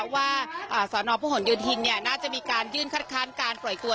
ว่าสนผู้ห่วงยุทินเนี่ยน่าจะมีการยื่นคลัดคล้านการปล่อยตัว